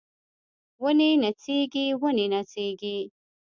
ونې نڅیږي ونې نڅیږي